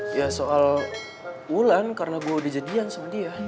ya soal wulan karena gue udah jadian sama dia